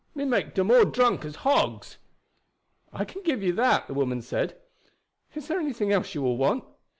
Me make dem all drunk as hogs." "I can give you that," the woman said. "Is there anything else you will want?